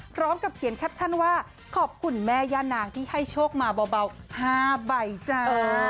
พร้อมกับเขียนแคปชั่นว่าขอบคุณแม่ย่านางที่ให้โชคมาเบา๕ใบจ้า